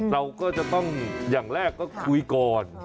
เราก็จะต้องอย่างแรกก็คุยก่อน